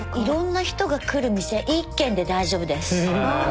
色んな人が来る店一軒で大丈夫です。